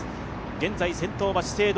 現在、先頭は資生堂。